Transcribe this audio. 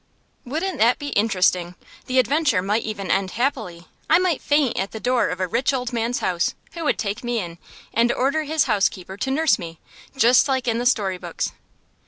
Wouldn't that be interesting! The adventure might even end happily. I might faint at the door of a rich old man's house, who would take me in, and order his housekeeper to nurse me, just like in the story books.